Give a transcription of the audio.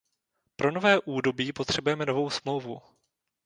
Pro nové údobí potřebujeme novou smlouvu.